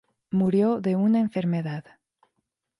Murió de una enfermedad.